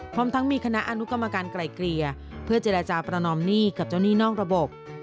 พร้อมทั้งมีคณะอนุกรรมการไกลเกลี่ยเพื่อเจรจาประนอมหนี้กับเจ้าหนี้นอกระบบ